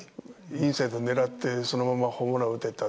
インサイド狙って、そのままホームラン打てた。